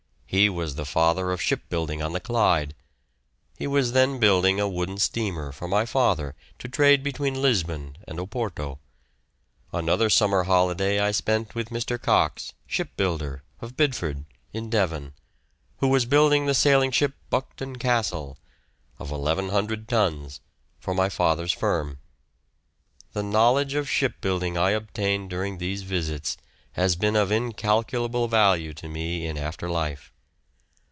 He was the father of shipbuilding on the Clyde. He was then building a wooden steamer for my father to trade between Lisbon and Oporto. Another summer holiday I spent with Mr. Cox, shipbuilder, of Bideford, in Devon, who was building the sailing ship "Bucton Castle," of 1,100 tons, for my father's firm. The knowledge of shipbuilding I obtained during these visits has been of incalculable value to me in after life.